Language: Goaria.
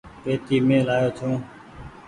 پيتي مين لآيو ڇون۔